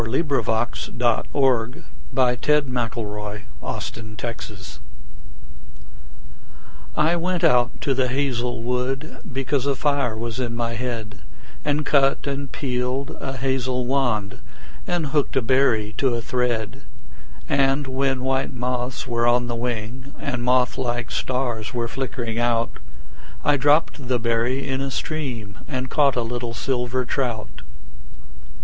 William Butler Yeats The Song of Wandering Aengus I WENT out to the hazel wood, Because a fire was in my head, And cut and peeled a hazel wand, And hooked a berry to a thread; And when white moths were on the wing, And moth like stars were flickering out, I dropped the berry in a stream And caught a little silver trout.